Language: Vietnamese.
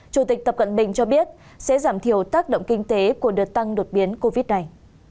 chủ tịch tập cận bình cho biết sẽ giảm thiểu tác động kinh tế của đợt tăng đột biến covid này